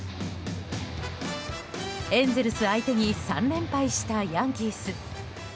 エンゼルス相手に３連敗したヤンキース。